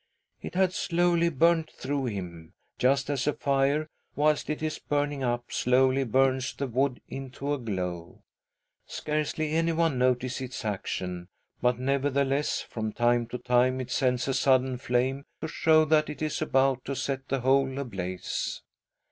It had slowly burnt through him, just as a fire/whilst it is burning up, slowly burns the wood into a glow. Scarcely anyone notices its action, but nevertheless, " from time to time, it sends out a sudden flame to show that it is about to set the whole ablaze.